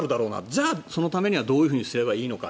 じゃあ、そのためにはどういうふうにすればいいのか。